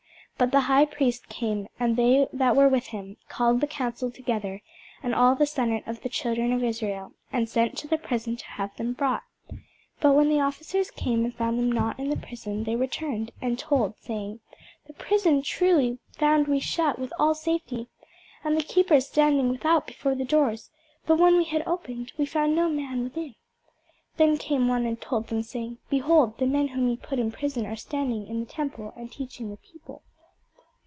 But the high priest came, and they that were with him, and called the council together, and all the senate of the children of Israel, and sent to the prison to have them brought. But when the officers came, and found them not in the prison, they returned, and told, saying, The prison truly found we shut with all safety, and the keepers standing without before the doors: but when we had opened, we found no man within. Then came one and told them, saying, Behold, the men whom ye put in prison are standing in the temple, and teaching the people.